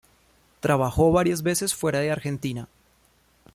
Trabajó varias veces fuera de Argentina.